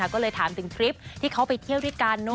ก็เลยถามถึงคลิปที่เขาไปเที่ยวด้วยกัน